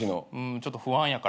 ちょっと不安やから。